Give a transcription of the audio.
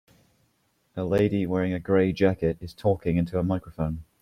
A lady wearing a gray jacket is taking into a microphone.